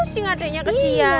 nanti pusing adeknya kesian